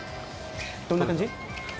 どんな感じ？